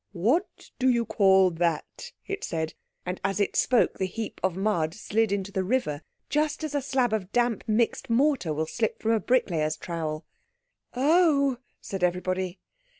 "What do you call that?" it said; and as it spoke the heap of mud slid into the river just as a slab of damp mixed mortar will slip from a bricklayer's trowel. "Oh!" said everybody.